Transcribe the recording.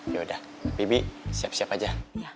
yaudah bibi siap siap aja